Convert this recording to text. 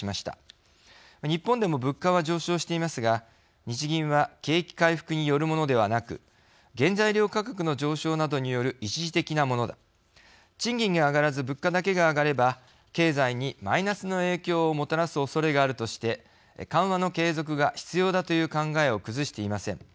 日本でも物価は上昇していますが日銀は景気回復によるものではなく原材料価格の上昇などによる一時的なものだ賃金が上がらず物価だけが上がれば経済にマイナスの影響をもたらすおそれがあるとして緩和の継続が必要だという考えを崩していません。